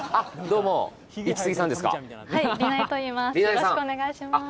よろしくお願いします